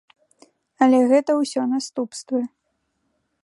Але гэта ўсё наступствы.